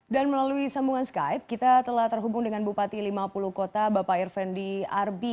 dan melalui sambungan skype kita telah terhubung dengan bupati lima puluh kota bapak irvendi arbi